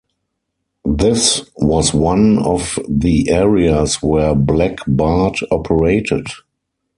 This was one of the areas where Black Bart operated.